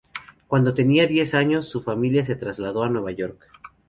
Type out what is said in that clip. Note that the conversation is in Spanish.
Cuando tenía diez años, su familia se trasladó a Nueva York.